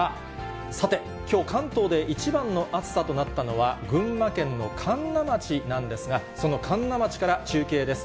さて、きょう関東で一番の暑さとなったのは、群馬県の神流町なんですが、その神流町から中継です。